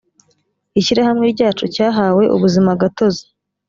ishyirahamwe ryacu cyahawe ubuzima gatozi